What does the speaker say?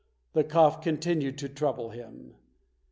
The cough continued to trouble him.